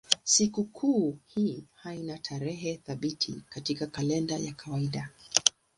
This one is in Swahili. Sikukuu hii haina tarehe thabiti katika kalenda ya kawaida.